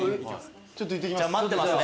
ちょっと行ってきます。